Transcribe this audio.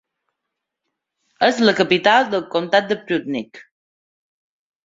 És la capital del comptat de Prudnik.